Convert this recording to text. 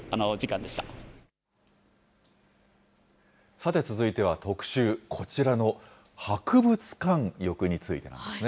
さて、続いては特集、こちらの博物館浴についてなんですね。